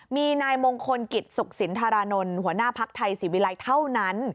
มีนายมงคลกิจสุขสินธารานนท์หัวหน้าภักดิ์ไทยศิวิลัยเท่านั้น